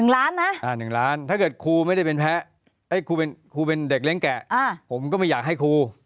นะ๑ล้านถ้าเกิดครูไม่ได้เป็นแพ้ครูเป็นเด็กเลี้ยงแก่ผมก็ไม่อยากให้ครู